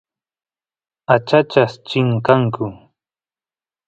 achachas chinkanku